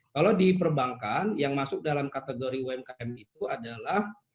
kalau di perbankan yang masuk dalam kategori umkm itu adalah